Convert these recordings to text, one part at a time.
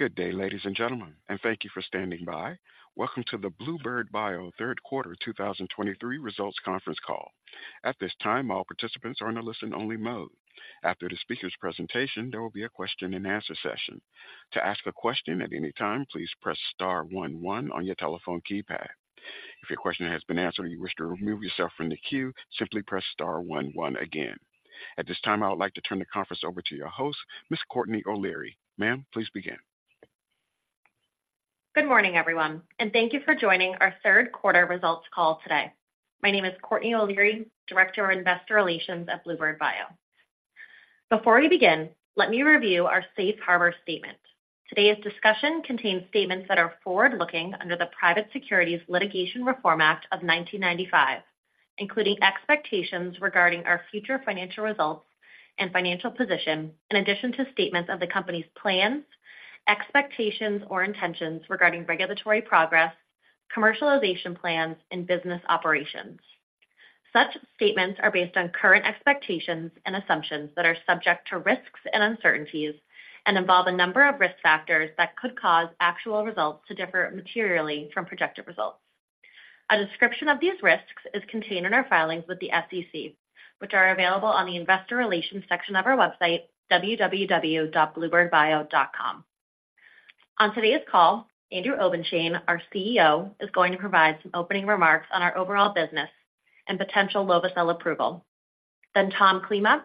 Good day, ladies and gentlemen, and thank you for standing by. Welcome to the bluebird bio third quarter 2023 results conference call. At this time, all participants are in a listen-only mode. After the speaker's presentation, there will be a question-and-answer session. To ask a question at any time, please press star one one on your telephone keypad. If your question has been answered or you wish to remove yourself from the queue, simply press star one one again. At this time, I would like to turn the conference over to your host, Miss Courtney O'Leary. Ma'am, please begin. Good morning, everyone, and thank you for joining our third quarter results call today. My name is Courtney O'Leary, Director of Investor Relations at bluebird bio. Before we begin, let me review our safe harbor statement. Today's discussion contains statements that are forward-looking under the Private Securities Litigation Reform Act of 1995, including expectations regarding our future financial results and financial position, in addition to statements of the company's plans, expectations, or intentions regarding regulatory progress, commercialization plans, and business operations. Such statements are based on current expectations and assumptions that are subject to risks and uncertainties and involve a number of risk factors that could cause actual results to differ materially from projected results. A description of these risks is contained in our filings with the SEC, which are available on the Investor Relations section of our website, www.bluebirdbio.com. On today's call, Andrew Obenshain, our CEO, is going to provide some opening remarks on our overall business and potential lovo-cel approval. Then Tom Klima,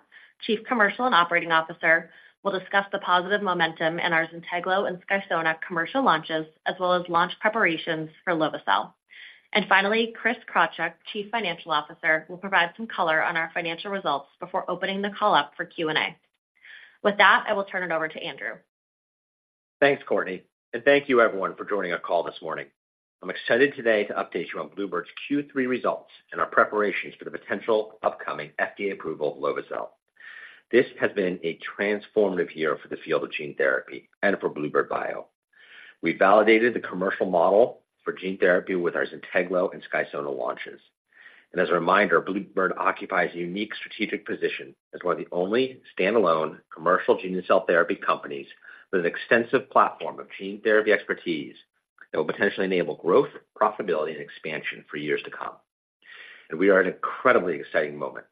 Chief Commercial and Operating Officer, will discuss the positive momentum in our ZYNTEGLO and SKYSONA commercial launches, as well as launch preparations for lovo-cel. And finally, Chris Krawtschuk, Chief Financial Officer, will provide some color on our financial results before opening the call up for Q&A. With that, I will turn it over to Andrew. Thanks, Courtney, and thank you everyone for joining our call this morning. I'm excited today to update you on bluebird's Q3 results and our preparations for the potential upcoming FDA approval of lovo-cel. This has been a transformative year for the field of gene therapy and for bluebird bio. We validated the commercial model for gene therapy with our ZYNTEGLO and SKYSONA launches. As a reminder, bluebird occupies a unique strategic position as one of the only standalone commercial gene and cell therapy companies with an extensive platform of gene therapy expertise that will potentially enable growth, profitability, and expansion for years to come. We are at an incredibly exciting moment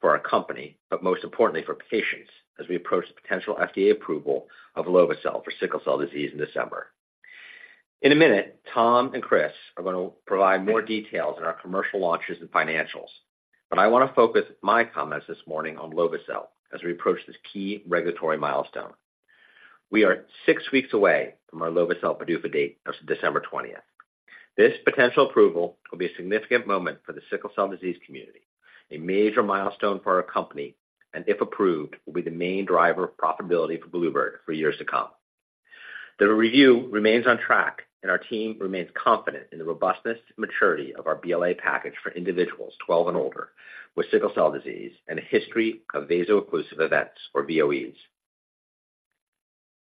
for our company, but most importantly for patients, as we approach the potential FDA approval of lovo-cel for sickle cell disease in December. In a minute, Tom and Chris are going to provide more details on our commercial launches and financials, but I want to focus my comments this morning on lovo-cel as we approach this key regulatory milestone. We are six weeks away from our lovo-cel PDUFA date of December 20. This potential approval will be a significant moment for the sickle cell disease community, a major milestone for our company, and if approved, will be the main driver of profitability for bluebird bio for years to come. The review remains on track, and our team remains confident in the robustness and maturity of our BLA package for individuals twelve and older with sickle cell disease and a history of vaso-occlusive events, or VOEs.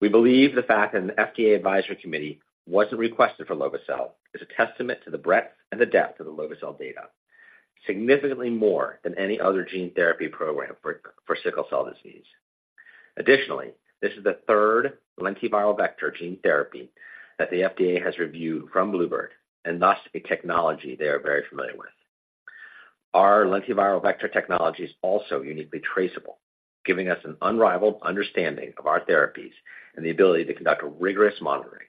We believe the fact that an FDA advisory committee wasn't requested for lovo-cel is a testament to the breadth and the depth of the lovo-cel data, significantly more than any other gene therapy program for sickle cell disease. Additionally, this is the third lentiviral vector gene therapy that the FDA has reviewed from bluebird, and thus a technology they are very familiar with. Our lentiviral vector technology is also uniquely traceable, giving us an unrivaled understanding of our therapies and the ability to conduct rigorous monitoring.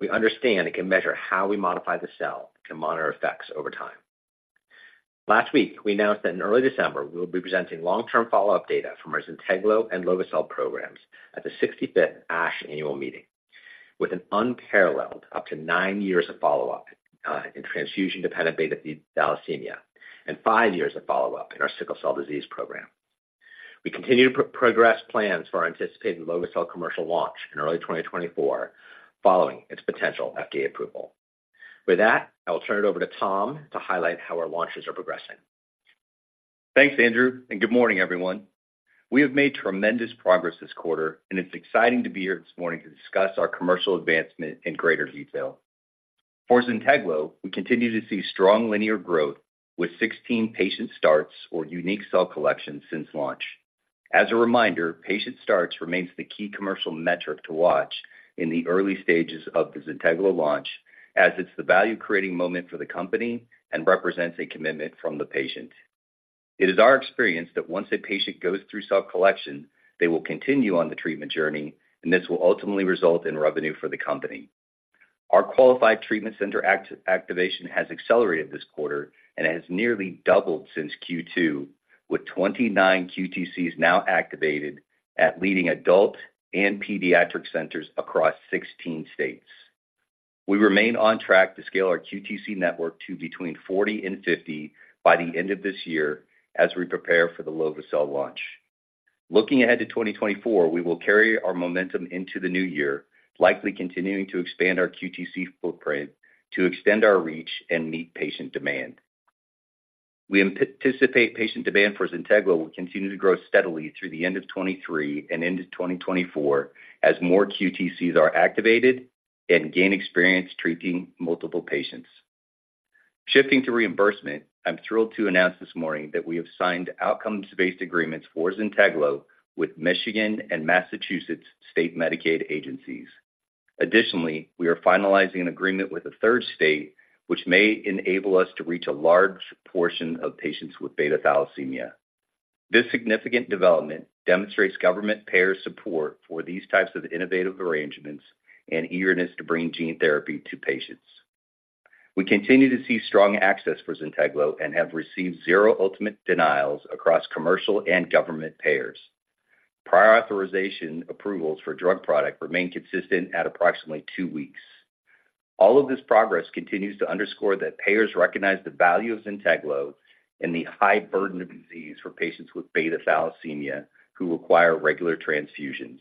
We understand it can measure how we modify the cell and monitor effects over time. Last week, we announced that in early December, we'll be presenting long-term follow-up data from our ZYNTEGLO and lovo-cel programs at the 65th ASH Annual Meeting with an unparalleled up to 9 years of follow-up in transfusion-dependent beta-thalassemia and 5 years of follow-up in our sickle cell disease program. We continue to progress plans for our anticipated lovo-cel commercial launch in early 2024, following its potential FDA approval. With that, I will turn it over to Tom to highlight how our launches are progressing. Thanks, Andrew, and good morning, everyone. We have made tremendous progress this quarter, and it's exciting to be here this morning to discuss our commercial advancement in greater detail. For ZYNTEGLO, we continue to see strong linear growth with 16 patient starts or unique cell collections since launch. As a reminder, patient starts remains the key commercial metric to watch in the early stages of the ZYNTEGLO launch, as it's the value-creating moment for the company and represents a commitment from the patient. It is our experience that once a patient goes through cell collection, they will continue on the treatment journey, and this will ultimately result in revenue for the company. Our qualified treatment center activation has accelerated this quarter and has nearly doubled since Q2, with 29 QTCs now activated at leading adult and pediatric centers across 16 states. We remain on track to scale our QTC network to between 40 and 50 by the end of this year as we prepare for the lovo-cel launch. Looking ahead to 2024, we will carry our momentum into the new year, likely continuing to expand our QTC footprint to extend our reach and meet patient demand. We anticipate patient demand for ZYNTEGLO will continue to grow steadily through the end of 2023 and into 2024 as more QTCs are activated and gain experience treating multiple patients. Shifting to reimbursement, I'm thrilled to announce this morning that we have signed outcomes-based agreements for ZYNTEGLO with Michigan and Massachusetts state Medicaid agencies. Additionally, we are finalizing an agreement with a third state, which may enable us to reach a large portion of patients with beta-thalassemia. This significant development demonstrates government payers' support for these types of innovative arrangements and eagerness to bring gene therapy to patients. We continue to see strong access for ZYNTEGLO and have received zero ultimate denials across commercial and government payers. Prior authorization approvals for drug product remain consistent at approximately two weeks. All of this progress continues to underscore that payers recognize the value of ZYNTEGLO and the high burden of disease for patients with beta-thalassemia who require regular transfusions.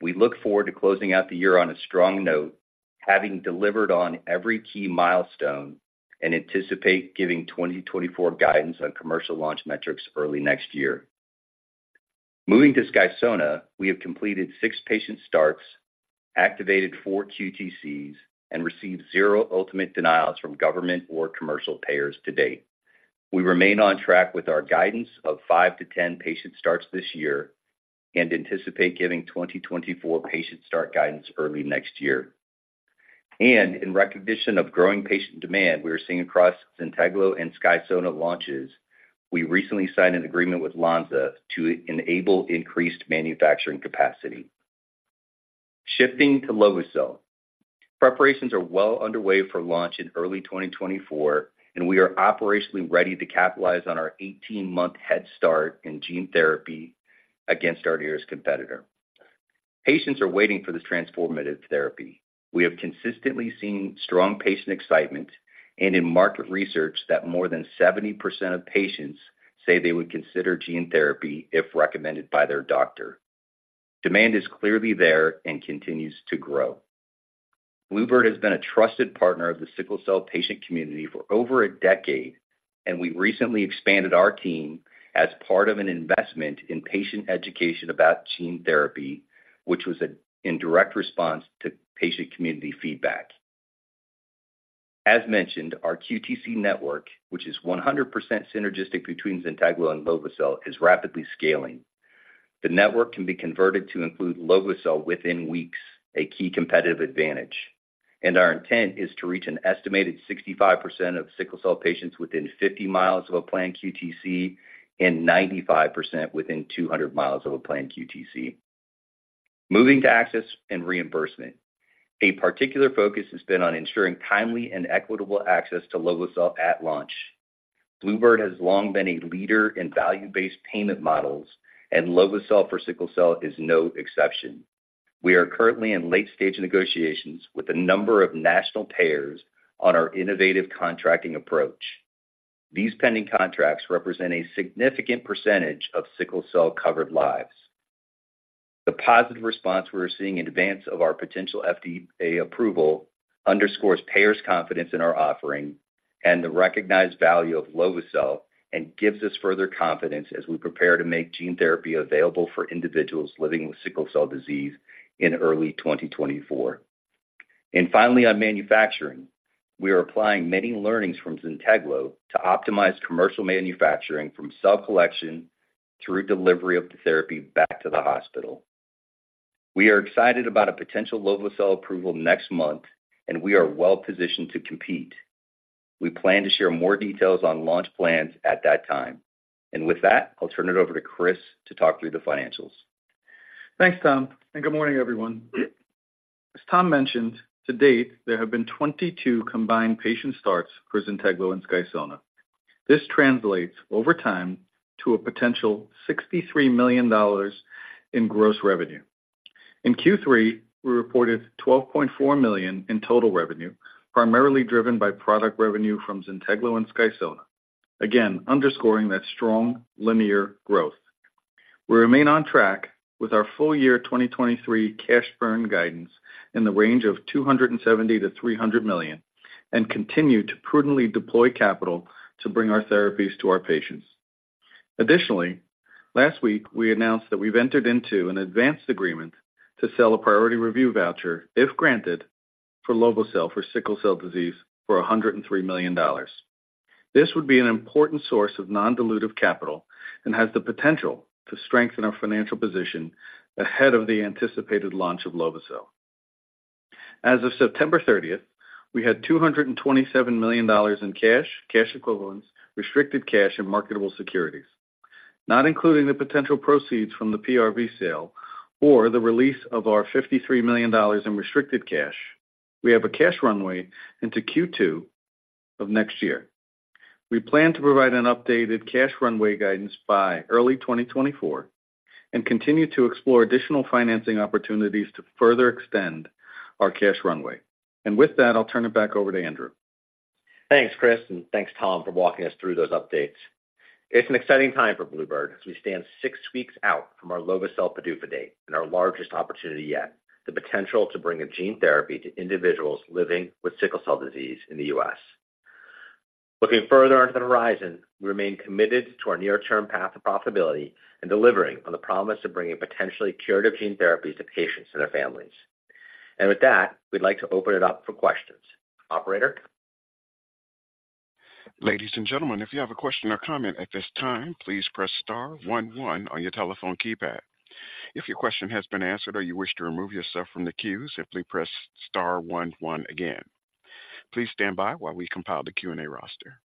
We look forward to closing out the year on a strong note, having delivered on every key milestone, and anticipate giving 2024 guidance on commercial launch metrics early next year. Moving to SKYSONA, we have completed 6 patient starts, activated 4 QTCs, and received zero ultimate denials from government or commercial payers to date. We remain on track with our guidance of 5-10 patient starts this year and anticipate giving 2024 patient start guidance early next year. In recognition of growing patient demand we are seeing across ZYNTEGLO and SKYSONA launches, we recently signed an agreement with Lonza to enable increased manufacturing capacity. Shifting to lovo-cel. Preparations are well underway for launch in early 2024, and we are operationally ready to capitalize on our 18-month head start in gene therapy against our nearest competitor. Patients are waiting for this transformative therapy. We have consistently seen strong patient excitement, and in market research that more than 70% of patients say they would consider gene therapy if recommended by their doctor. Demand is clearly there and continues to grow. Bluebird has been a trusted partner of the sickle cell patient community for over a decade, and we recently expanded our team as part of an investment in patient education about gene therapy, which was in direct response to patient community feedback. As mentioned, our QTC network, which is 100% synergistic between ZYNTEGLO and lovo-cel, is rapidly scaling. The network can be converted to include lovo-cel within weeks, a key competitive advantage, and our intent is to reach an estimated 65% of sickle cell patients within 50 mi of a planned QTC and 95% within 200 mi of a planned QTC. Moving to access and reimbursement. A particular focus has been on ensuring timely and equitable access to lovo-cel at launch. Bluebird has long been a leader in value-based payment models, and lovo-cel for sickle cell is no exception. We are currently in late-stage negotiations with a number of national payers on our innovative contracting approach. These pending contracts represent a significant percentage of sickle cell-covered lives. The positive response we are seeing in advance of our potential FDA approval underscores payers' confidence in our offering and the recognized value of lovo-cel and gives us further confidence as we prepare to make gene therapy available for individuals living with sickle cell disease in early 2024. And finally, on manufacturing, we are applying many learnings from ZYNTEGLO to optimize commercial manufacturing, from cell collection through delivery of the therapy back to the hospital. We are excited about a potential lovo-cel approval next month, and we are well-positioned to compete. We plan to share more details on launch plans at that time. And with that, I'll turn it over to Chris to talk through the financials. Thanks, Tom, and good morning, everyone. As Tom mentioned, to date, there have been 22 combined patient starts for ZYNTEGLO and SKYSONA. This translates over time to a potential $63 million in gross revenue. In Q3, we reported $12.4 million in total revenue, primarily driven by product revenue from ZYNTEGLO and SKYSONA, again, underscoring that strong linear growth. We remain on track with our full year 2023 cash burn guidance in the range of $270 million-$300 million and continue to prudently deploy capital to bring our therapies to our patients. Additionally, last week, we announced that we've entered into an advanced agreement to sell a priority review voucher, if granted, for lovo-cel for sickle cell disease for $103 million. This would be an important source of non-dilutive capital and has the potential to strengthen our financial position ahead of the anticipated launch of lovo-cel. As of September 30th, we had $227 million in cash, cash equivalents, restricted cash, and marketable securities. Not including the potential proceeds from the PRV sale or the release of our $53 million in restricted cash, we have a cash runway into Q2 of next year. We plan to provide an updated cash runway guidance by early 2024 and continue to explore additional financing opportunities to further extend our cash runway. And with that, I'll turn it back over to Andrew. Thanks, Chris, and thanks, Tom, for walking us through those updates. It's an exciting time for bluebird bio as we stand six weeks out from our lovo-cel PDUFA date and our largest opportunity yet, the potential to bring a gene therapy to individuals living with sickle cell disease in the U.S. Looking further into the horizon, we remain committed to our near-term path of profitability and delivering on the promise of bringing potentially curative gene therapies to patients and their families. ...And with that, we'd like to open it up for questions. Operator? Ladies and gentlemen, if you have a question or comment at this time, please press star one one on your telephone keypad. If your question has been answered or you wish to remove yourself from the queue, simply press star one one again. Please stand by while we compile the Q&A roster.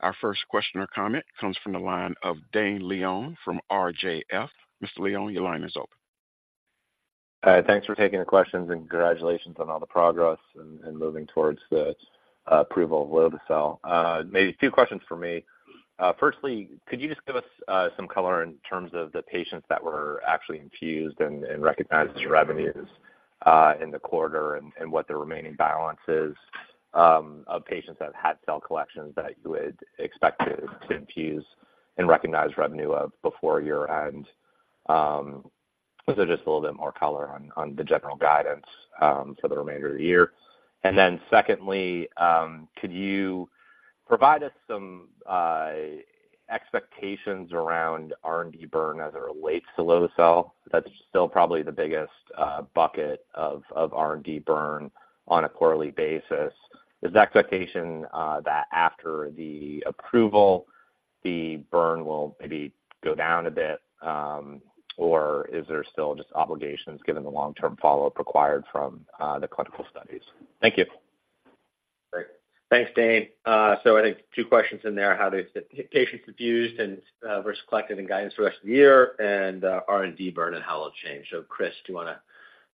Our first question or comment comes from the line of Dane Leone from RJF. Mr. Leone, your line is open. Hi, thanks for taking the questions, and congratulations on all the progress and moving towards the approval of lovo-cel. Maybe a few questions for me. Firstly, could you just give us some color in terms of the patients that were actually infused and recognized as revenues in the quarter, and what the remaining balances of patients that have had cell collections that you would expect to infuse and recognize revenue before year-end? So just a little bit more color on the general guidance for the remainder of the year. And then secondly, could you provide us some expectations around R&D burn as it relates to lovo-cel? That's still probably the biggest bucket of R&D burn on a quarterly basis. Is the expectation that after the approval, the burn will maybe go down a bit, or is there still just obligations given the long-term follow-up required from the clinical studies? Thank you. Great. Thanks, Dane. So I think two questions in there, how the patients infused and versus collected and guidance for the rest of the year, and R&D burn and how it'll change. So, Chris, do you wanna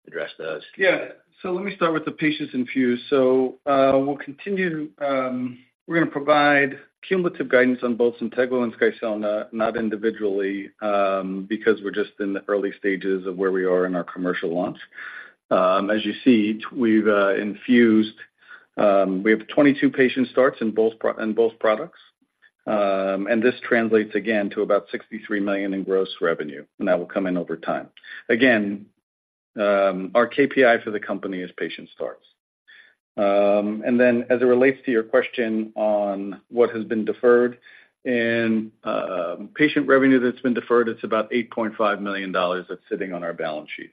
address those? Yeah. So let me start with the patients infused. We'll continue to provide cumulative guidance on both ZYNTEGLO and SKYSONA, not individually, because we're just in the early stages of where we are in our commercial launch. As you see, we've infused, we have 22 patient starts in both pro- in both products. And this translates again to about $63 million in gross revenue, and that will come in over time. Again, our KPI for the company is patient starts. And then as it relates to your question on what has been deferred, and patient revenue that's been deferred, it's about $8.5 million that's sitting on our balance sheet.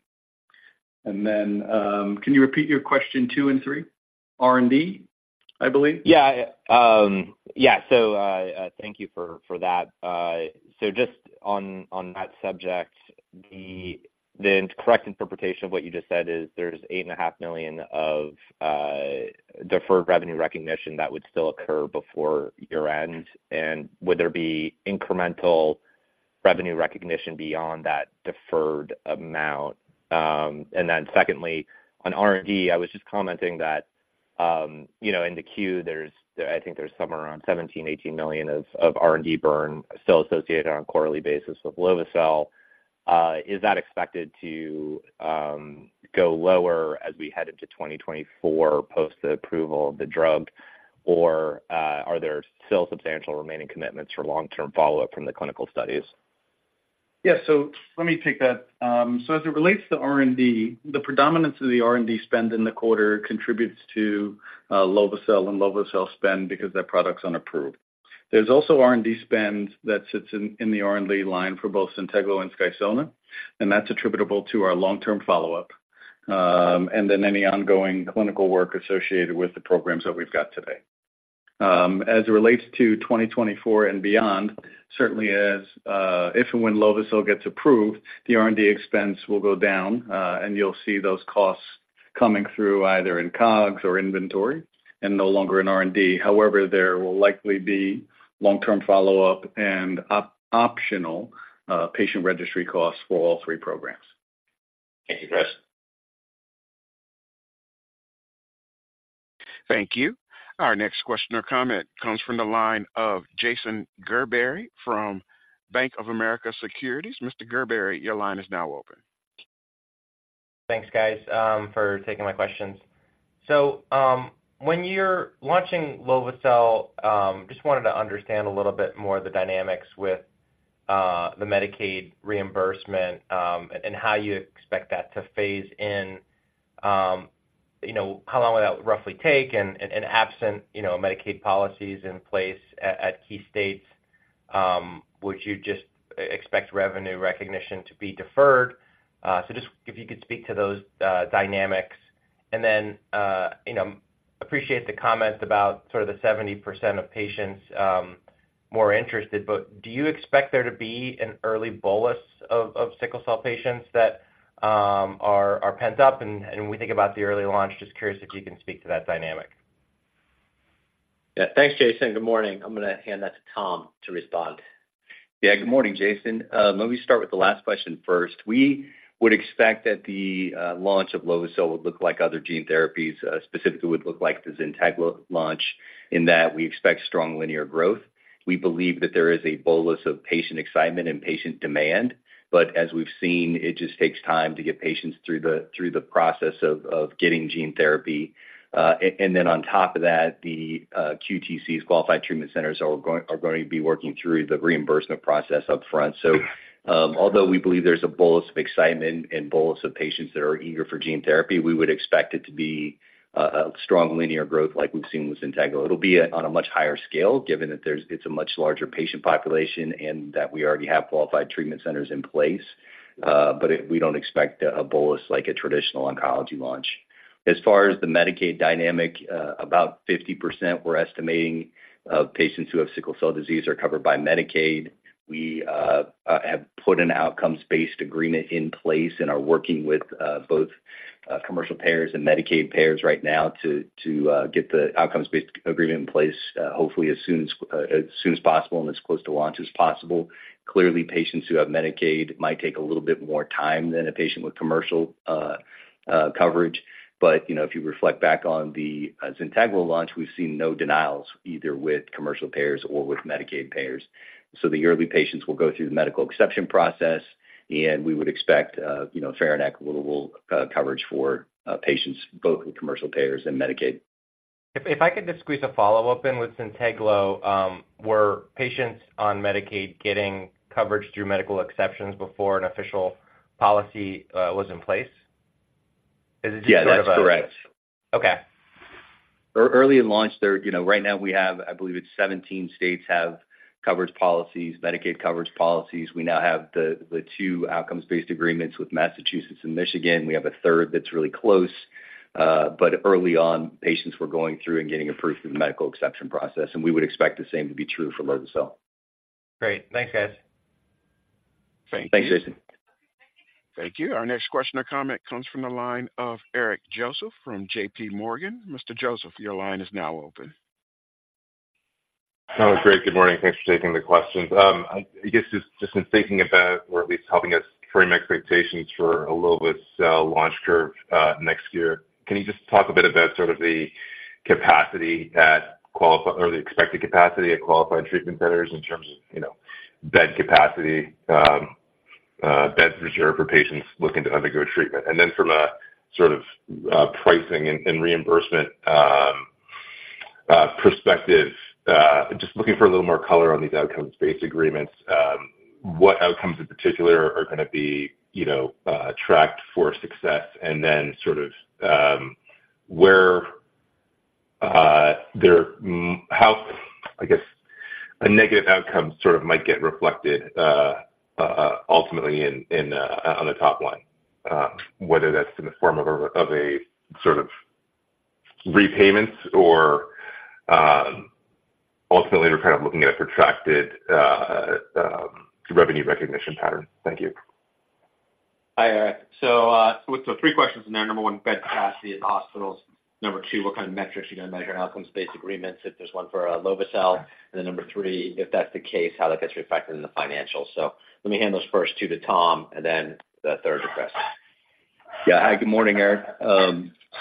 And then, can you repeat your question two and three? R&D, I believe. Yeah. Yeah, so, thank you for that. So just on that subject, the correct interpretation of what you just said is there's $8.5 million of deferred revenue recognition that would still occur before year-end. And would there be incremental revenue recognition beyond that deferred amount? And then secondly, on R&D, I was just commenting that, you know, in the queue, there's. I think there's somewhere around $17 million-$18 million of R&D burn still associated on a quarterly basis with lovo-cel. Is that expected to go lower as we head into 2024 post the approval of the drug? Or are there still substantial remaining commitments for long-term follow-up from the clinical studies? Yeah. So let me take that. So as it relates to R&D, the predominance of the R&D spend in the quarter contributes to lovo-cel and lovo-cel spend because that product's unapproved. There's also R&D spend that sits in the R&D line for both ZYNTEGLO and SKYSONA, and that's attributable to our long-term follow-up and then any ongoing clinical work associated with the programs that we've got today. As it relates to 2024 and beyond, certainly as if and when lovo-cel gets approved, the R&D expense will go down and you'll see those costs coming through either in COGS or inventory and no longer in R&D. However, there will likely be long-term follow-up and optional patient registry costs for all three programs. Thank you, Chris. Thank you. Our next question or comment comes from the line of Jason Gerberry from Bank of America Securities. Mr. Gerberry, your line is now open. Thanks, guys, for taking my questions. So, when you're launching lovo-cel, just wanted to understand a little bit more of the dynamics with the Medicaid reimbursement, and how you expect that to phase in. You know, how long will that roughly take? And absent, you know, Medicaid policies in place at key states, would you just expect revenue recognition to be deferred? So just if you could speak to those dynamics. And then, you know, appreciate the comment about sort of the 70% of patients more interested, but do you expect there to be an early bolus of sickle cell patients that are pent up? And when we think about the early launch, just curious if you can speak to that dynamic. Yeah. Thanks, Jason. Good morning. I'm gonna hand that to Tom to respond. Yeah, good morning, Jason. Let me start with the last question first. We would expect that the launch of lovo-cel would look like other gene therapies, specifically would look like the ZYNTEGLO launch, in that we expect strong linear growth. We believe that there is a bolus of patient excitement and patient demand, but as we've seen, it just takes time to get patients through the process of getting gene therapy. And then on top of that, the QTCs, Qualified Treatment Centers, are going to be working through the reimbursement process upfront. So, although we believe there's a bolus of excitement and bolus of patients that are eager for gene therapy, we would expect it to be a strong linear growth like we've seen with ZYNTEGLO. It'll be on a much higher scale, given that it's a much larger patient population and that we already have qualified treatment centers in place, but we don't expect a bolus like a traditional oncology launch. As far as the Medicaid dynamic, about 50%, we're estimating, of patients who have sickle cell disease are covered by Medicaid. We have put an outcomes-based agreement in place and are working with both commercial payers and Medicaid payers right now to get the outcomes-based agreement in place, hopefully as soon as possible and as close to launch as possible. Clearly, patients who have Medicaid might take a little bit more time than a patient with commercial coverage. But, you know, if you reflect back on the ZYNTEGLO launch, we've seen no denials, either with commercial payers or with Medicaid payers. So the yearly patients will go through the medical exception process, and we would expect, you know, fair and equitable, coverage for, patients, both with commercial payers and Medicaid. If I could just squeeze a follow-up in with ZYNTEGLO, were patients on Medicaid getting coverage through medical exceptions before an official policy was in place? Is it sort of a- Yeah, that's correct. Okay. Early in launch there, you know, right now we have, I believe it's 17 states have coverage policies, Medicaid coverage policies. We now have the 2 outcomes-based agreements with Massachusetts and Michigan. We have a third that's really close, but early on, patients were going through and getting approved through the medical exception process, and we would expect the same to be true for lovo-cel. Great. Thanks, guys. Thank you. Thank you. Our next question or comment comes from the line of Eric Joseph, from JPMorgan. Mr. Joseph, your line is now open. Sounds great. Good morning. Thanks for taking the questions. I guess just, just in thinking about or at least helping us frame expectations for a lovo-cel launch curve, next year, can you just talk a bit about sort of the capacity at qualified treatment centers or the expected capacity at qualified treatment centers in terms of, you know, bed capacity, beds reserved for patients looking to undergo treatment? And then from a sort of, pricing and, and reimbursement, perspective, just looking for a little more color on these outcomes-based agreements, what outcomes in particular are gonna be, you know, tracked for success? And then sort of where there how, I guess, a negative outcome sort of might get reflected ultimately in in on the top line, whether that's in the form of a of a sort of repayments or ultimately, we're kind of looking at a protracted revenue recognition pattern. Thank you. Hi, Eric. So, so three questions in there. Number one, bed capacity in hospitals. Number two, what kind of metrics are you gonna measure in outcomes-based agreements if there's one for lovo-cel? And then number three, if that's the case, how that gets reflected in the financials. So let me hand those first two to Tom, and then the third to Chris. Yeah. Hi, good morning, Eric.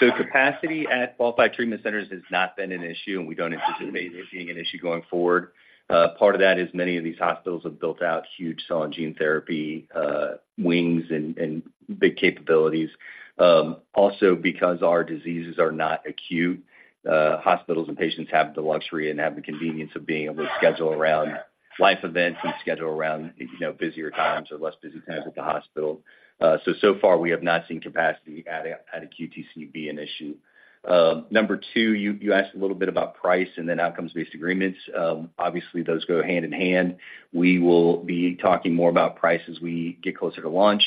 So capacity at qualified treatment centers has not been an issue, and we don't anticipate it being an issue going forward. Part of that is many of these hospitals have built out huge cell and gene therapy wings and big capabilities. Also because our diseases are not acute, hospitals and patients have the luxury and have the convenience of being able to schedule around life events and schedule around, you know, busier times or less busy times at the hospital. So so far we have not seen capacity at a, at a QTC be an issue. Number two, you asked a little bit about price and then outcomes-based agreements. Obviously, those go hand in hand. We will be talking more about price as we get closer to launch.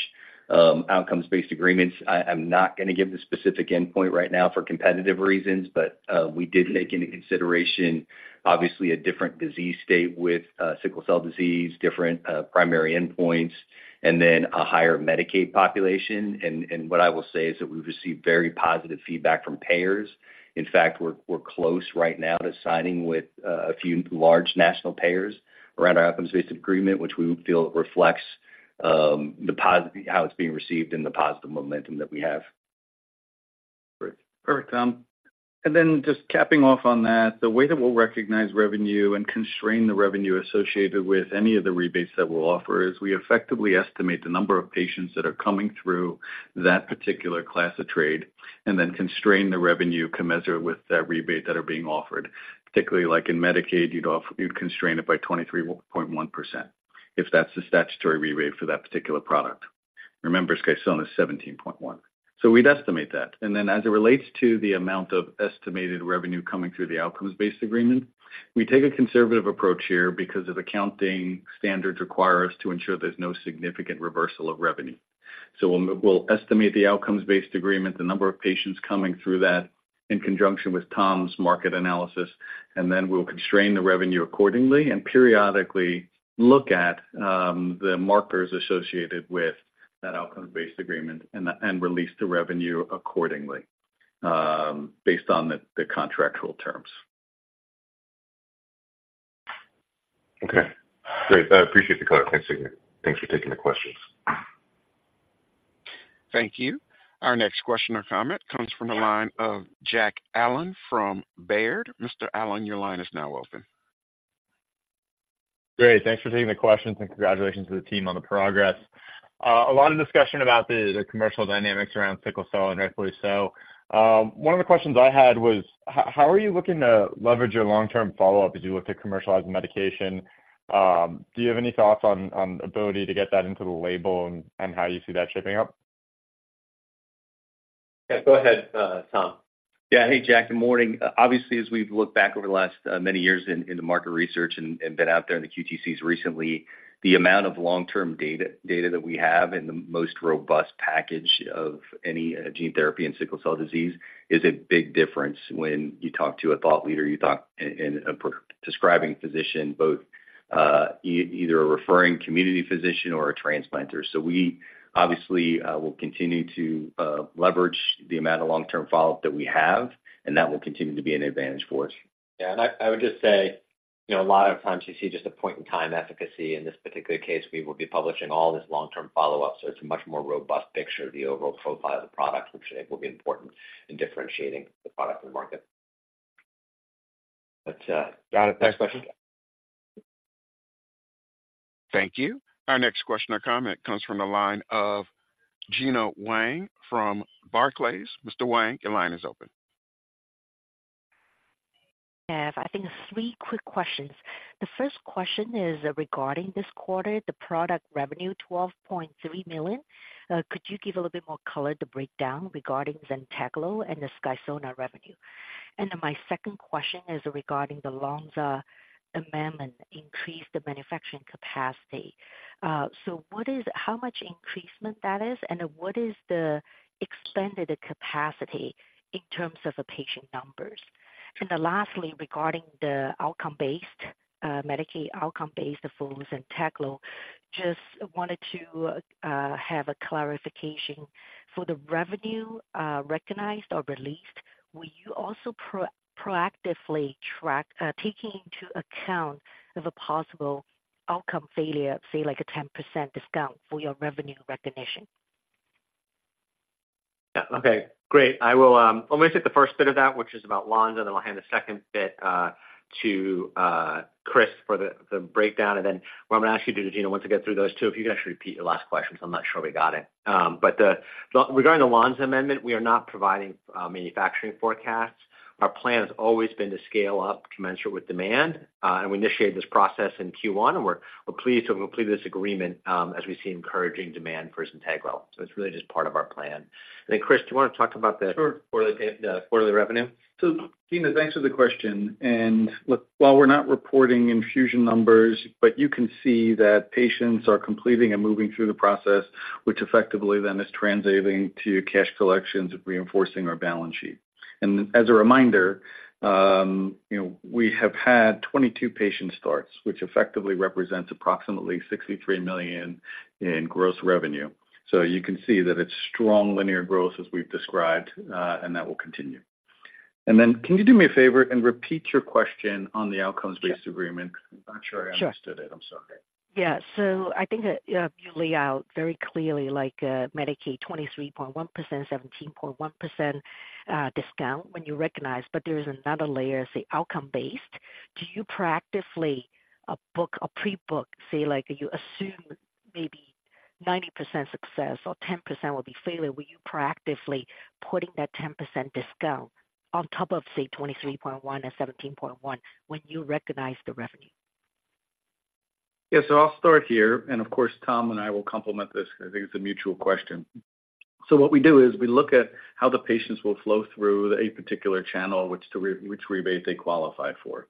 Outcomes-based agreements, I'm not gonna give the specific endpoint right now for competitive reasons, but we did take into consideration, obviously, a different disease state with sickle cell disease, different primary endpoints, and then a higher Medicaid population. What I will say is that we've received very positive feedback from payers. In fact, we're close right now to signing with a few large national payers around our outcomes-based agreement, which we feel reflects how it's being received and the positive momentum that we have. Great. Perfect, Tom. And then just capping off on that, the way that we'll recognize revenue and constrain the revenue associated with any of the rebates that we'll offer is we effectively estimate the number of patients that are coming through that particular class of trade and then constrain the revenue commensurate with that rebate that are being offered. Particularly like in Medicaid, you'd constrain it by 23.1%, if that's the statutory rebate for that particular product. Remember, SKYSONA is 17.1. So we'd estimate that. And then as it relates to the amount of estimated revenue coming through the outcomes-based agreement, we take a conservative approach here because of accounting standards require us to ensure there's no significant reversal of revenue. We'll estimate the outcomes-based agreement, the number of patients coming through that in conjunction with Tom's market analysis, and then we'll constrain the revenue accordingly and periodically look at the markers associated with that outcomes-based agreement and release the revenue accordingly, based on the contractual terms. Okay, great. I appreciate the color. Thanks again. Thanks for taking the questions. Thank you. Our next question or comment comes from the line of Jack Allen from Baird. Mr. Allen, your line is now open. Great. Thanks for taking the questions, and congratulations to the team on the progress. A lot of discussion about the commercial dynamics around sickle cell, and rightfully so. One of the questions I had was: how are you looking to leverage your long-term follow-up as you look to commercialize the medication? Do you have any thoughts on ability to get that into the label and how you see that shaping up? Yeah, go ahead, Tom. Yeah. Hey, Jack, good morning. Obviously, as we've looked back over the last many years in the market research and been out there in the QTCs recently, the amount of long-term data that we have and the most robust package of any gene therapy in sickle cell disease is a big difference when you talk to a thought leader, you talk to a prescribing physician, both either a referring community physician or a transplanter. So we obviously will continue to leverage the amount of long-term follow-up that we have, and that will continue to be an advantage for us. Yeah, and I would just say, you know, a lot of times you see just a point in time efficacy. In this particular case, we will be publishing all this long-term follow-up, so it's a much more robust picture of the overall profile of the product, which I think will be important in differentiating the product in the market. But, next question? Thank you. Our next question or comment comes from the line of Gena Wang from Barclays. Mr. Wang, your line is open. I have, I think, three quick questions. The first question is regarding this quarter, the product revenue, $12.3 million. Could you give a little bit more color on the breakdown regarding ZYNTEGLO and the SKYSONA revenue? And then my second question is regarding the Lonza amendment, increase the manufacturing capacity. So what is—how much increase that is, and what is the expanded capacity in terms of the patient numbers? And then lastly, regarding the outcome-based Medicaid outcome-based for ZYNTEGLO, just wanted to have a clarification. For the revenue recognized or released, will you also proactively track, taking into account of a possible outcome failure, say, like a 10% discount for your revenue recognition? Yeah. Okay, great. I will, I'm going to take the first bit of that, which is about Lonza, and then I'll hand the second bit, to Chris for the, the breakdown. And then what I'm going to ask you to do, Gina, once we get through those two, if you can actually repeat your last question, because I'm not sure we got it. But the, regarding the Lonza amendment, we are not providing manufacturing forecasts. Our plan has always been to scale up commensurate with demand, and we initiated this process in Q1, and we're pleased to have completed this agreement, as we see encouraging demand for ZYNTEGLO. So it's really just part of our plan. And then, Chris, do you want to talk about the- Sure. Quarterly, the quarterly revenue. So, Gina, thanks for the question. And look, while we're not reporting infusion numbers, but you can see that patients are completing and moving through the process, which effectively then is translating to cash collections and reinforcing our balance sheet. And as a reminder, you know, we have had 22 patient starts, which effectively represents approximately $63 million in gross revenue. So you can see that it's strong linear growth as we've described, and that will continue. And then can you do me a favor and repeat your question on the outcomes-based agreement? I'm not sure I understood it. I'm sorry. Sure. Yeah. So I think that, you lay out very clearly, like, Medicaid, 23.1%, 17.1%, discount when you recognize, but there is another layer, say, outcome-based. Do you proactively, book a pre-book, say, like, you assume maybe 90% success or 10% will be failure, were you proactively putting that 10% discount on top of, say, 23.1 and 17.1 when you recognize the revenue? Yeah, so I'll start here, and of course, Tom and I will complement this because I think it's a mutual question. So what we do is we look at how the patients will flow through a particular channel, which rebate they qualify for,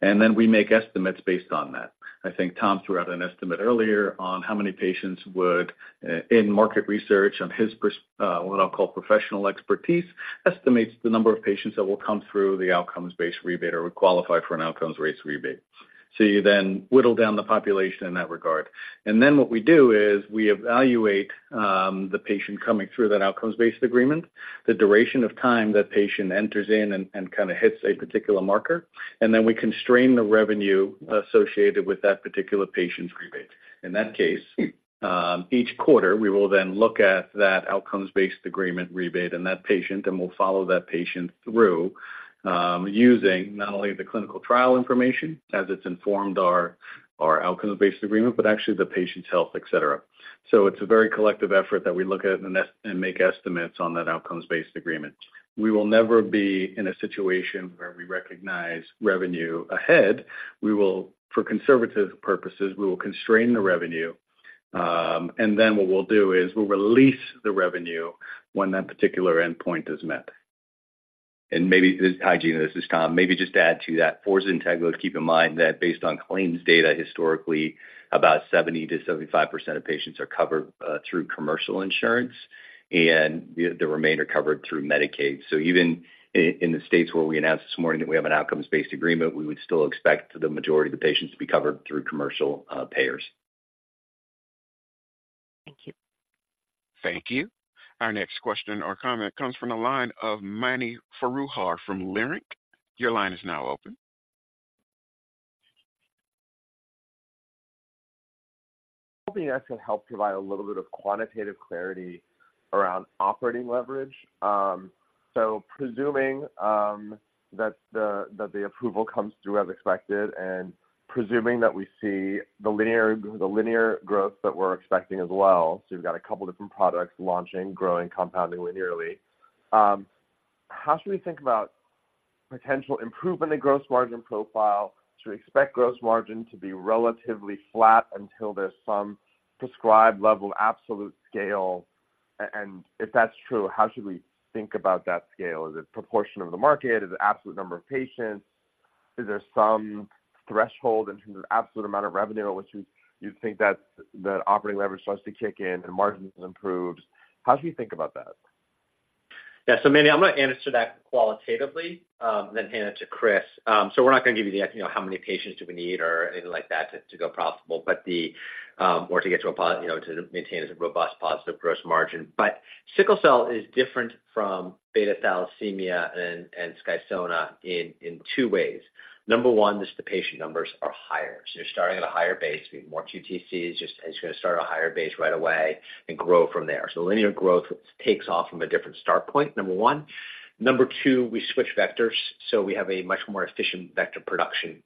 and then we make estimates based on that. I think Tom threw out an estimate earlier on how many patients would in market research on his perspective, what I'll call professional expertise, estimates the number of patients that will come through the outcomes-based rebate or would qualify for an outcomes-based rebate. So you then whittle down the population in that regard. And then what we do is we evaluate the patient coming through that outcomes-based agreement, the duration of time that patient enters in and, and kind of hits a particular marker, and then we constrain the revenue associated with that particular patient's rebate. In that case, each quarter, we will then look at that outcomes-based agreement rebate and that patient, and we'll follow that patient through, using not only the clinical trial information as it's informed our, our outcomes-based agreement, but actually the patient's health, et cetera. So it's a very collective effort that we look at and and make estimates on that outcomes-based agreement. We will never be in a situation where we recognize revenue ahead. We will, for conservative purposes, we will constrain the revenue, and then what we'll do is we'll release the revenue when that particular endpoint is met. And maybe, hi, Gena, this is Tom. Maybe just to add to that, for ZYNTEGLO, keep in mind that based on claims data, historically, about 70%-75% of patients are covered through commercial insurance, and the remainder covered through Medicaid. So even in the states where we announced this morning that we have an outcomes-based agreement, we would still expect the majority of the patients to be covered through commercial payers. Thank you. Thank you. Our next question or comment comes from the line of Mani Foroohar from Leerink Partners. Your line is now open. Hoping I can help provide a little bit of quantitative clarity around operating leverage. So presuming that the approval comes through as expected, and presuming that we see the linear growth that we're expecting as well, so you've got a couple different products launching, growing, compounding linearly, how should we think about potential improvement in gross margin profile? Should we expect gross margin to be relatively flat until there's some prescribed level of absolute scale? And if that's true, how should we think about that scale? Is it proportion of the market? Is it absolute number of patients? Is there some threshold in terms of absolute amount of revenue at which you think that the operating leverage starts to kick in and margins improves? How should we think about that? Yeah, so Mani, I'm going to answer that qualitatively, then hand it to Chris. So we're not going to give you the, you know, how many patients do we need or anything like that to, to go profitable, but the, or to get to a po-- you know, to maintain a robust positive gross margin. But sickle cell is different from beta thalassemia and, and SKYSONA in, in two ways. Number one, is the patient numbers are higher, so you're starting at a higher base, more QTCs, just, it's going to start at a higher base right away and grow from there. So linear growth takes off from a different start point, number one. Number 2, we switch vectors, so we have a much more efficient vector production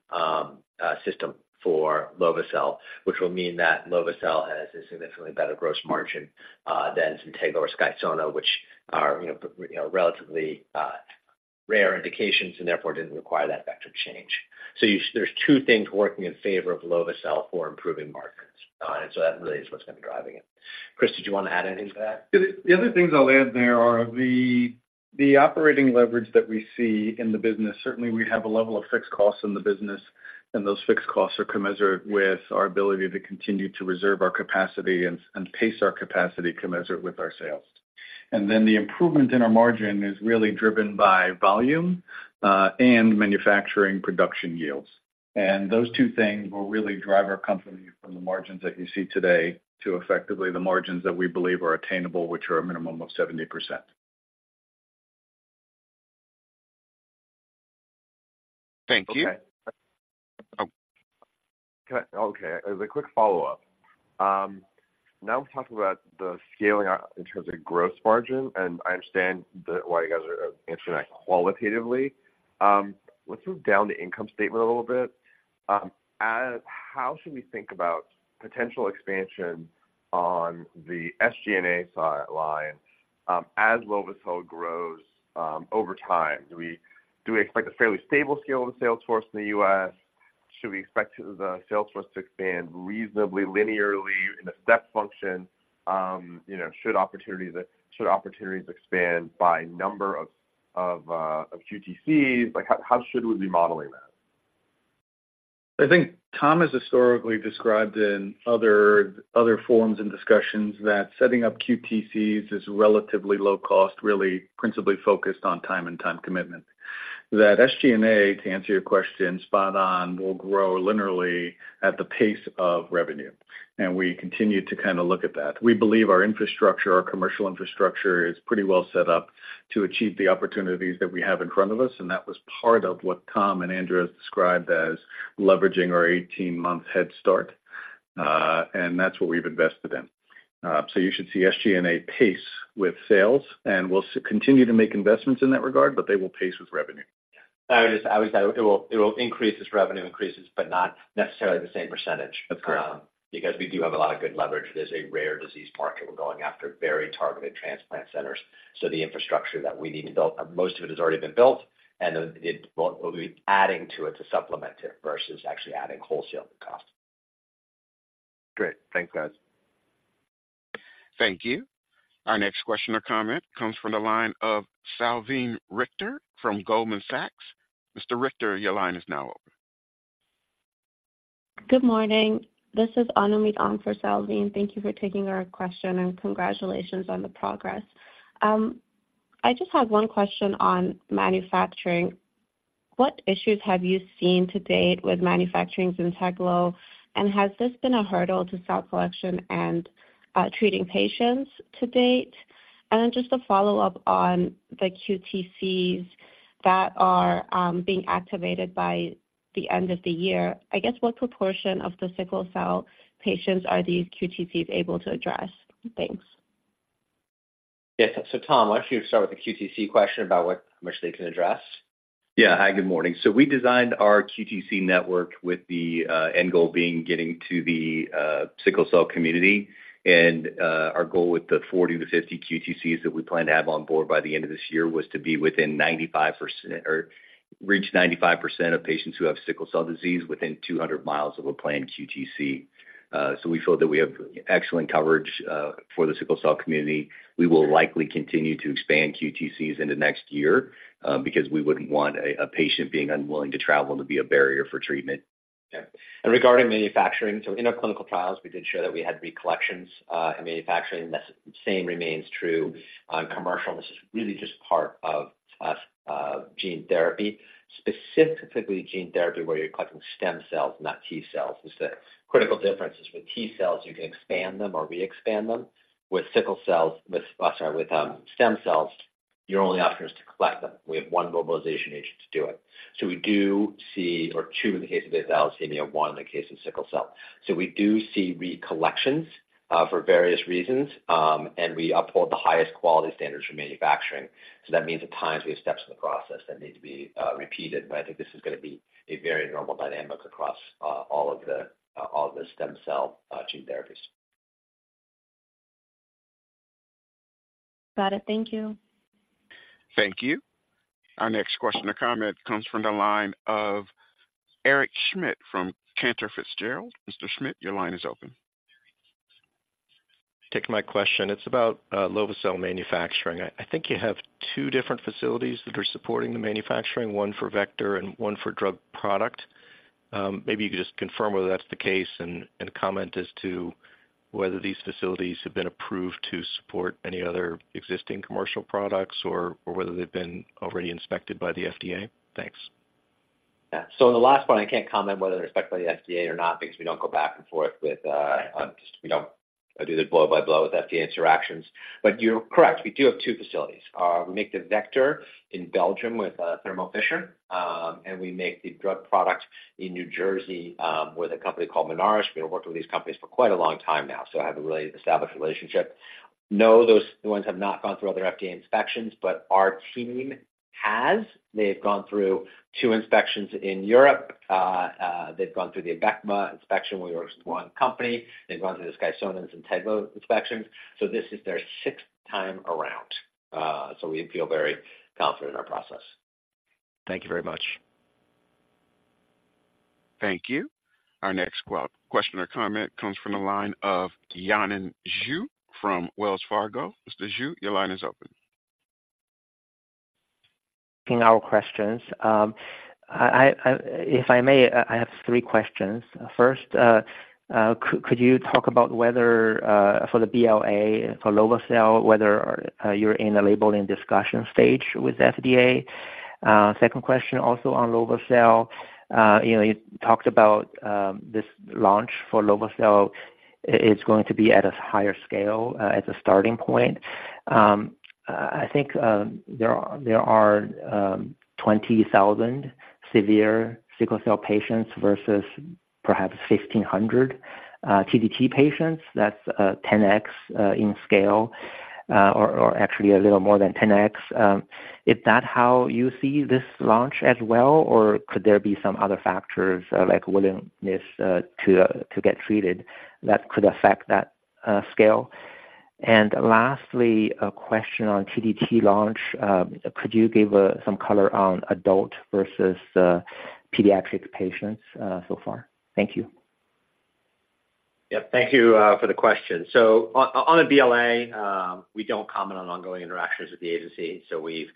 system for lovo-cel, which will mean that lovo-cel has a significantly better gross margin than ZYNTEGLO or SKYSONA, which are, you know, relatively rare indications and therefore didn't require that vector change. So there's two things working in favor of lovo-cel for improving margins. And so that really is what's going to be driving it. Chris, did you want to add anything to that? The other things I'll add there are the operating leverage that we see in the business. Certainly, we have a level of fixed costs in the business, and those fixed costs are commensurate with our ability to continue to reserve our capacity and pace our capacity commensurate with our sales. And then the improvement in our margin is really driven by volume and manufacturing production yields. And those two things will really drive our company from the margins that you see today to effectively the margins that we believe are attainable, which are a minimum of 70%. Thank you. Okay. Okay, as a quick follow-up, now we're talking about the scaling out in terms of gross margin, and I understand the why you guys are answering that qualitatively. Let's move down the income statement a little bit. As how should we think about potential expansion on the SG&A side line, as lovo-cel grows, over time? Do we, do we expect a fairly stable scale of the sales force in the U.S.? Should we expect the sales force to expand reasonably linearly in a step function? You know, should opportunities, should opportunities expand by number of, of, of QTCs? Like, how, how should we be modeling that? I think Tom has historically described in other forums and discussions that setting up QTCs is relatively low cost, really principally focused on time and time commitment. That SG&A, to answer your question, spot on, will grow linearly at the pace of revenue, and we continue to kind of look at that. We believe our infrastructure, our commercial infrastructure, is pretty well set up to achieve the opportunities that we have in front of us, and that was part of what Tom and Andrew described as leveraging our 18-month head start, and that's what we've invested in. So you should see SG&A pace with sales, and we'll continue to make investments in that regard, but they will pace with revenue. I would just add, it will, it will increase as revenue increases, but not necessarily the same percentage- Okay. because we do have a lot of good leverage. It is a rare disease market. We're going after very targeted transplant centers. So the infrastructure that we need to build, most of it has already been built, and then it will, we'll be adding to it to supplement it versus actually adding wholesale cost. Great. Thanks, guys. Thank you. Our next question or comment comes from the line of Salveen Richter from Goldman Sachs. Mr. Richter, your line is now open. Good morning. This is Anuhya on for Salveen. Thank you for taking our question, and congratulations on the progress. I just had one question on manufacturing. What issues have you seen to date with manufacturing ZYNTEGLO, and has this been a hurdle to cell collection and treating patients to date? And then just a follow-up on the QTCs that are being activated by the end of the year. I guess, what proportion of the sickle cell patients are these QTCs able to address? Thanks. Yes. So Tom, why don't you start with the QTC question about what, how much they can address? Yeah. Hi, good morning. So we designed our QTC network with the end goal being getting to the sickle cell community. And our goal with the 40-50 QTCs that we plan to have on board by the end of this year was to be within 95% or reach 95% of patients who have sickle cell disease within 200 miles of a planned QTC. So we feel that we have excellent coverage for the sickle cell community. We will likely continue to expand QTCs into next year because we wouldn't want a patient being unwilling to travel to be a barrier for treatment. Yeah. Regarding manufacturing, so in our clinical trials, we did show that we had recollections in manufacturing. That same remains true on commercial. This is really just part of gene therapy, specifically gene therapy, where you're collecting stem cells, not T cells. The critical difference is with T cells, you can expand them or re-expand them. With sickle cells, with sorry, with stem cells, your only option is to collect them. We have one mobilization agent to do it. So we do see or two in the case of beta thalassemia, one in the case of sickle cell. So we do see recollections for various reasons, and we uphold the highest quality standards for manufacturing. That means at times we have steps in the process that need to be repeated, but I think this is going to be a very normal dynamic across all of the stem cell gene therapies. Got it. Thank you. Thank you. Our next question or comment comes from the line of Eric Schmidt from Cantor Fitzgerald. Mr. Schmidt, your line is open. Thanks for taking my question. It's about lovo-cel manufacturing. I think you have two different facilities that are supporting the manufacturing, one for vector and one for drug product.... maybe you could just confirm whether that's the case, and, and comment as to whether these facilities have been approved to support any other existing commercial products or, or whether they've been already inspected by the FDA? Thanks. Yeah. So the last one, I can't comment whether they're inspected by the FDA or not, because we don't go back and forth with just we don't do the blow-by-blow with FDA interactions. But you're correct, we do have two facilities. We make the vector in Belgium with Thermo Fisher, and we make the drug product in New Jersey with a company called Minaris. We've been working with these companies for quite a long time now, so I have a really established relationship. No, those ones have not gone through other FDA inspections, but our team has. They've gone through two inspections in Europe. They've gone through the EMA inspection with one company. They've gone through the SKYSONA 's ZYNTEGLO inspections. So this is their sixth time around. So we feel very confident in our process. Thank you very much. Thank you. Our next question or comment comes from the line of Yanan Zhu from Wells Fargo. Mr. Zhu, your line is open. In our questions. If I may, I have three questions. First, could you talk about whether for the BLA, for lovo-cel, whether you're in a labeling discussion stage with FDA? Second question also on lovo-cel. You know, you talked about this launch for lovo-cel, it's going to be at a higher scale as a starting point. I think there are 20,000 severe sickle cell patients versus perhaps 1,500 TDT patients. That's 10x in scale, or actually a little more than 10x. Is that how you see this launch as well, or could there be some other factors like willingness to get treated that could affect that scale? And lastly, a question on TDT launch. Could you give some color on adult versus pediatric patients so far? Thank you. Yeah, thank you for the question. So on a BLA, we don't comment on ongoing interactions with the agency. So we've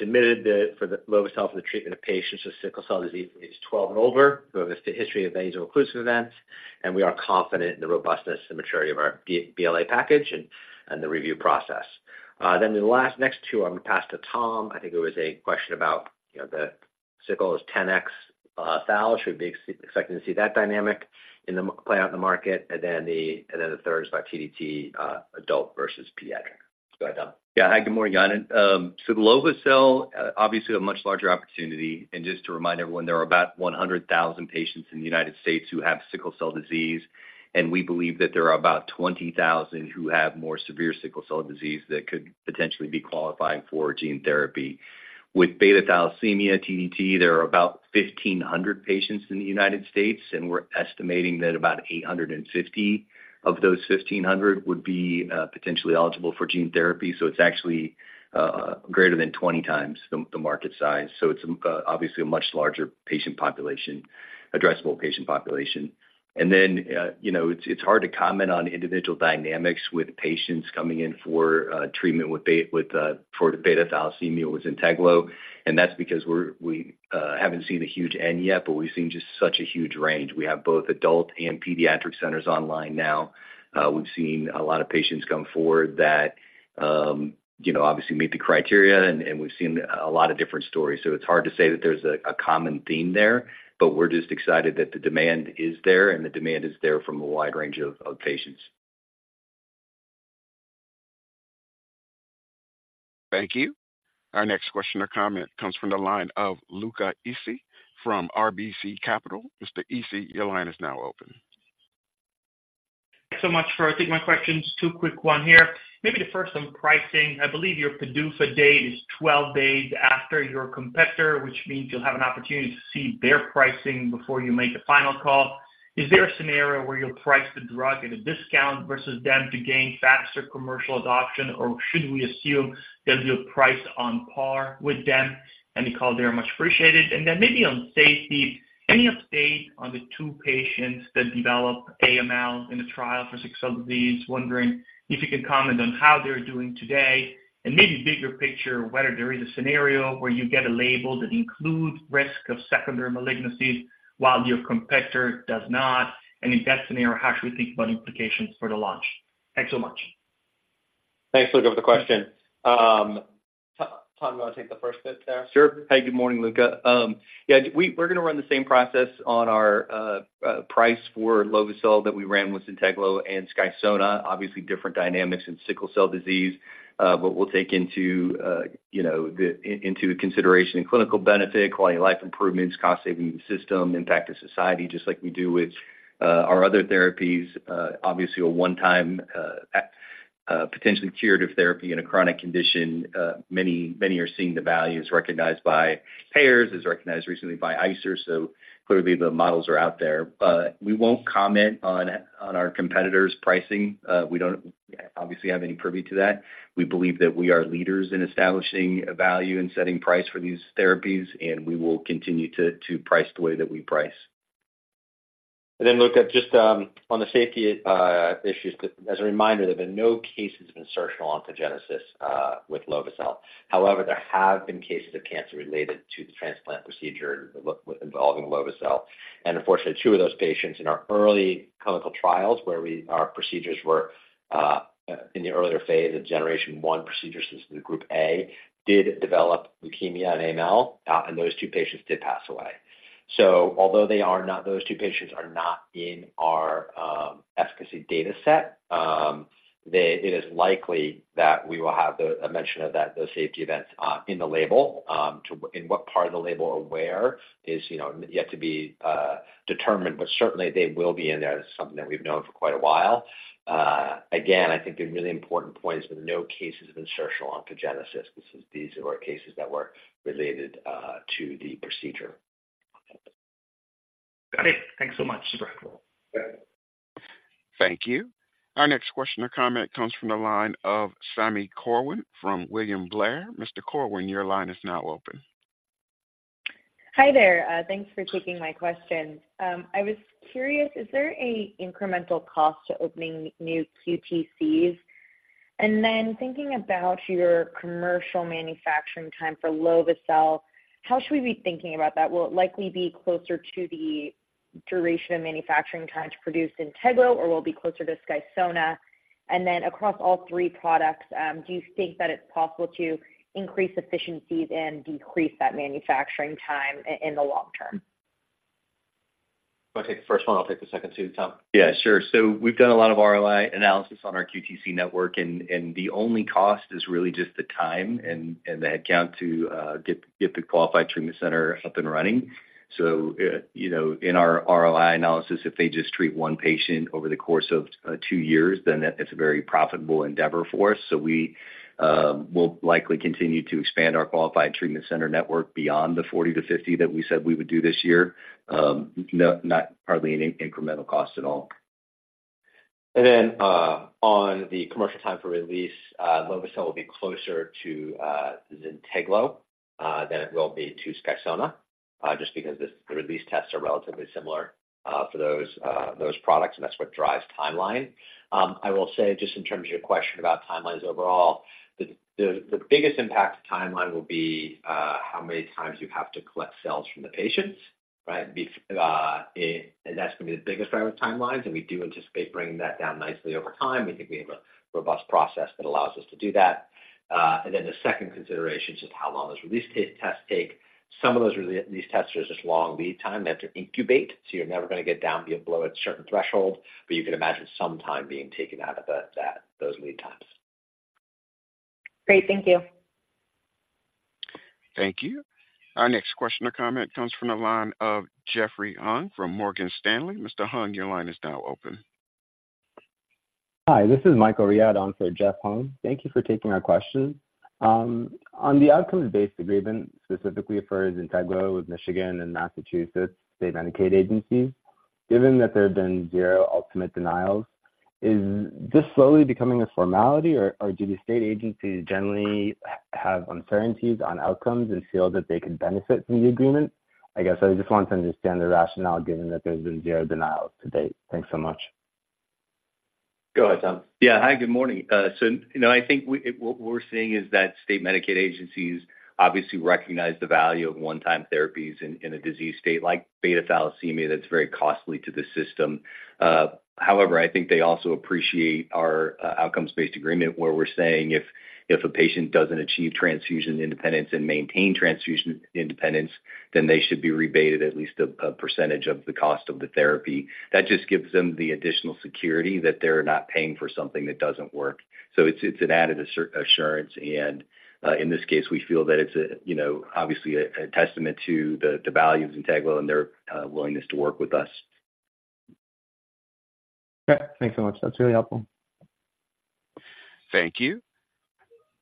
submitted the for the lovo-cel for the treatment of patients with sickle cell disease, age 12 and over, who have a history of vaso-occlusive events, and we are confident in the robustness and maturity of our BLA package and the review process. Then the last next two, I'm going to pass to Tom. I think there was a question about, you know, the sickle is 10x, though, should we be expecting to see that dynamic in the play out in the market? And then the third is about TDT, adult versus pediatric. Go ahead, Tom. Yeah. Hi, good morning, Yannan. So the lovo-cel, obviously a much larger opportunity. Just to remind everyone, there are about 100,000 patients in the United States who have sickle cell disease, and we believe that there are about 20,000 who have more severe sickle cell disease that could potentially be qualifying for gene therapy. With beta-thalassemia TDT, there are about 1,500 patients in the United States, and we're estimating that about 850 of those 1,500 would be potentially eligible for gene therapy. So it's actually greater than 20 times the market size. So it's obviously a much larger patient population, addressable patient population. And then, you know, it's hard to comment on individual dynamics with patients coming in for treatment for the beta thalassemia with ZYNTEGLO, and that's because we haven't seen a huge N yet, but we've seen just such a huge range. We have both adult and pediatric centers online now. We've seen a lot of patients come forward that you know obviously meet the criteria, and we've seen a lot of different stories. So it's hard to say that there's a common theme there, but we're just excited that the demand is there, and the demand is there from a wide range of patients. Thank you. Our next question or comment comes from the line of Luca Issi from RBC Capital. Mr. Issi, your line is now open. Thanks so much for taking my questions. Two quick ones here. Maybe the first on pricing. I believe your PDUFA date is 12 days after your competitor, which means you'll have an opportunity to see their pricing before you make a final call. Is there a scenario where you'll price the drug at a discount versus them to gain faster commercial adoption? Or should we assume that you'll price on par with them? Any color there would be much appreciated. Then maybe on safety, any update on the 2 patients that developed AML in the trial for sickle cell disease, wondering if you could comment on how they're doing today, and maybe bigger picture, whether there is a scenario where you get a label that includes risk of secondary malignancies while your competitor does not, and in that scenario, how should we think about implications for the launch? Thanks so much. Thanks, Luca, for the question. Tom, do you want to take the first bit there? Sure. Hey, good morning, Luca. Yeah, we're gonna run the same process on our price for lovo-cel that we ran with ZYNTEGLO and SKYSONA. Obviously, different dynamics in sickle cell disease, but we'll take into, you know, into consideration and clinical benefit, quality of life improvements, cost saving the system, impact to society, just like we do with our other therapies. Obviously, a one-time potentially curative therapy in a chronic condition. Many, many are seeing the value is recognized by payers, is recognized recently by ICER, so clearly the models are out there. But we won't comment on our competitors' pricing. We don't obviously have any privy to that. We believe that we are leaders in establishing a value and setting price for these therapies, and we will continue to price the way that we price. And then look at just on the safety issues, as a reminder, there have been no cases of insertional oncogenesis with lovo-cel. However, there have been cases of cancer related to the transplant procedure with involving lovo-cel. And unfortunately, 2 of those patients in our early clinical trials, where our procedures were in the earlier phase of generation one procedures, this is the Group A, did develop leukemia and AML, and those 2 patients did pass away. So although they are not, those 2 patients are not in our efficacy data set, they. It is likely that we will have a mention of those safety events in the label. In what part of the label or where is, you know, yet to be determined, but certainly, they will be in there. That's something that we've known for quite a while. Again, I think the really important point is there are no cases of insertional oncogenesis. This is, these are cases that were related to the procedure. Got it. Thanks so much. Appreciate it. Yeah. Thank you. Our next question or comment comes from the line of Sami Corwin from William Blair. Mr. Corwin, your line is now open. Hi there. Thanks for taking my question. I was curious, is there an incremental cost to opening new QTCs? And then thinking about your commercial manufacturing time for lovo-cel, how should we be thinking about that? Will it likely be closer to the duration of manufacturing time to produce ZYNTEGLO, or will it be closer to SKYSONA? And then across all three products, do you think that it's possible to increase efficiencies and decrease that manufacturing time in the long term? I'll take the first one. I'll take the second too, Tom. Yeah, sure. So we've done a lot of ROI analysis on our QTC network, and the only cost is really just the time and the headcount to get the qualified treatment center up and running. So, you know, in our ROI analysis, if they just treat one patient over the course of two years, then that it's a very profitable endeavor for us. So we will likely continue to expand our qualified treatment center network beyond the 40-50 that we said we would do this year. No, not hardly any incremental cost at all. On the commercial time for release, lovo-cel will be closer to ZYNTEGLO than it will be to SKYSONA, just because the release tests are relatively similar for those products, and that's what drives timeline. I will say, just in terms of your question about timelines overall, the biggest impact to timeline will be how many times you have to collect cells from the patients, right? And that's going to be the biggest driver of timelines, and we do anticipate bringing that down nicely over time. We think we have a robust process that allows us to do that. And then the second consideration is just how long those release tests take. Some of those release tests are just long lead time. They have to incubate, so you're never going to get down below a certain threshold, but you can imagine some time being taken out of those lead times. Great. Thank you. Thank you. Our next question or comment comes from the line of Jeffrey Hung from Morgan Stanley. Mr. Hung, your line is now open. Hi, this is Michael Riad on for Jeff Hung. Thank you for taking our question. On the outcomes-based agreement, specifically for ZYNTEGLO with Michigan and Massachusetts State Medicaid agencies, given that there have been zero ultimate denials, is this slowly becoming a formality, or do the state agencies generally have uncertainties on outcomes and feel that they can benefit from the agreement? I guess I just want to understand the rationale, given that there's been zero denials to date. Thanks so much. Go ahead, Tom. Yeah. Hi, good morning. So, you know, I think what we're seeing is that state Medicaid agencies obviously recognize the value of one-time therapies in a disease state like beta thalassemia, that's very costly to the system. However, I think they also appreciate our outcomes-based agreement, where we're saying if a patient doesn't achieve transfusion independence and maintain transfusion independence, then they should be rebated at least a percentage of the cost of the therapy. That just gives them the additional security that they're not paying for something that doesn't work. So it's an added assurance, and in this case, we feel that it's, you know, obviously a testament to the value of ZYNTEGLO and their willingness to work with us. Great. Thanks so much. That's really helpful. Thank you.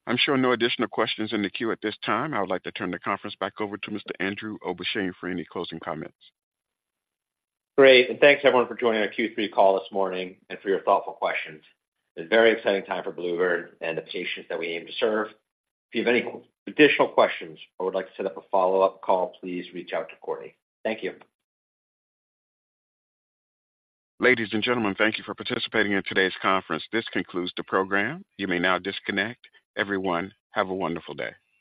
I'm showing no additional questions in the queue at this time. I would like to turn the conference back over to Mr. Andrew Obenshain for any closing comments. Great, and thanks, everyone, for joining our Q3 call this morning and for your thoughtful questions. A very exciting time for bluebird bio and the patients that we aim to serve. If you have any additional questions or would like to set up a follow-up call, please reach out to Courtney. Thank you. Ladies and gentlemen, thank you for participating in today's conference. This concludes the program. You may now disconnect. Everyone, have a wonderful day.